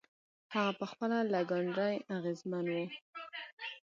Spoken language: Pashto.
هغه پخپله له ګاندي اغېزمن و.